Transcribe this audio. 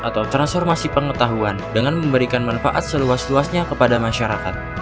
atau transformasi pengetahuan dengan memberikan manfaat seluas luasnya kepada masyarakat